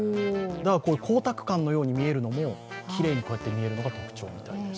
こういう光沢感のように見えるのも、きれいに見えるのが特徴みたいです。